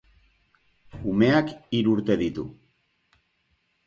Umeak hiru urte ditu.